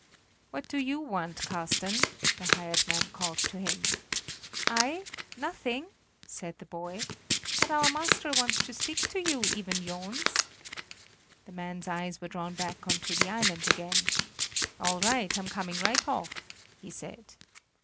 "What do you want, Carsten?" the hired man called to him. "I? nothing," said the boy; "but our master wants to speak to you, Iven Johns." The man's eyes were drawn back to the island again. "All right, I'm coming right off," he said.